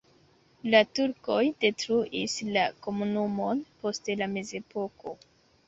La turkoj detruis la komunumon post la mezepoko.